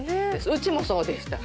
うちもそうでした。